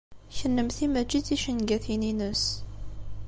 Kennemti mačči d ticengatin-ines.